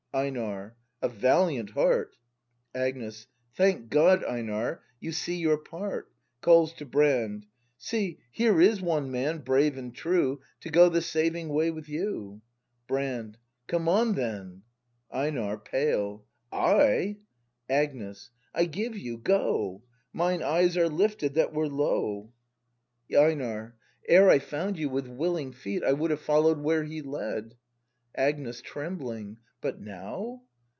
Einar. A valiant heart. Agnes. Thank God, Einar, you see your part! [Calls to Brand.] See, — here is one man, brave and true. To go the saving way with you ! Brand. Gome on then ! Einar. [Pale.] I! Agnes. I give you! Go! Mine eyes are lifted, that were low! 68 BRAND [act n EiNAR. Ere I found you, with willing feet I would have follow'd where he led Agnes. |f [Trembling.] But now